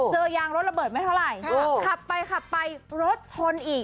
เจอยางรถระเบิดไม่เท่าไหร่ขับไปขับไปรถชนอีก